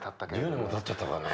１０年もたっちゃったかね？